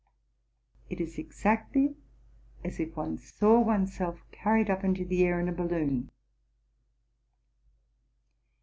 It is exactly as if one saw one's self carried up into the air in a balloon.